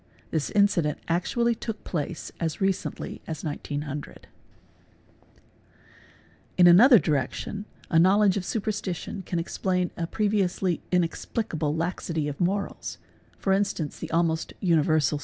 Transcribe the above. This incident actually took place as recently as 1900 P In another direction a knowledge of superstition can explain a previously inexplicable laxity of morals; for instance the almost universal